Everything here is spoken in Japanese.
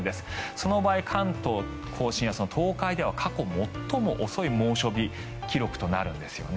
その場合関東・甲信、東海では過去最も遅い猛暑日記録となるんですよね。